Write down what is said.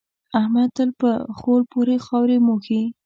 احمد تل په خول پورې خاورې موښي.